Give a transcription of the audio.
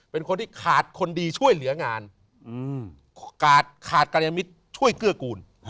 เป็นคนที่ขาดคนดีช่วยเหลืองานขาดขาดกัญญมิตรช่วยเกื้อกูล